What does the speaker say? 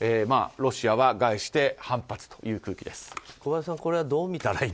ロシアは概して反発という空気です。